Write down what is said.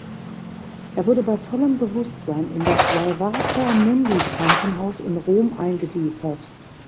Er wurde bei vollem Bewusstsein in das Salvator mundi Krankenhaus in Rom eingeliefert.